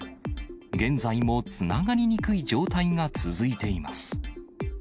現在もつながりにくい状態が続いています。